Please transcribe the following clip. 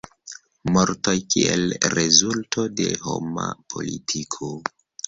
Mortoj kiel rezulto de homa politiko.